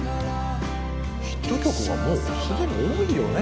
ヒット曲がもう既に多いよね。